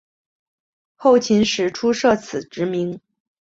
后秦时初设此职名。